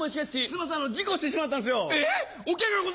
すいません事故してしまったんですよ。